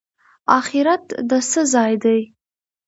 اخرت د څه ځای دی؟